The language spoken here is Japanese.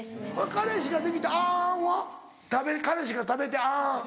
彼氏ができて「あん」は？彼氏が食べて「あん」。